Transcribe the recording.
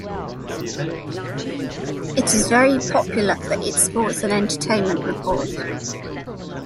It is very popular for its sports and entertainment report.